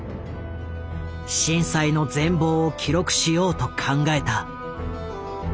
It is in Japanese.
震災の全貌を記録しようと考えた。